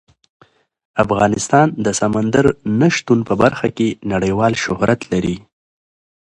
افغانستان د سمندر نه شتون په برخه کې نړیوال شهرت لري.